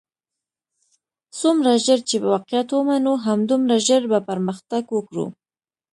څومره ژر چې واقعیت ومنو همدومره ژر بۀ پرمختګ وکړو.